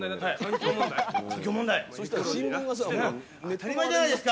当たり前じゃないですか！